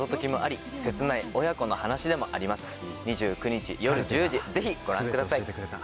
２９日夜１０時ぜひご覧ください。